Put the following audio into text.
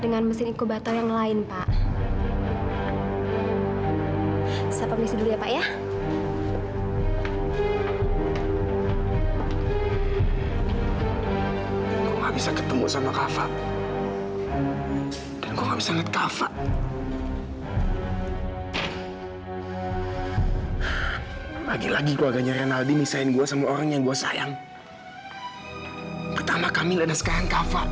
gak perlu melakukan hubungan apapun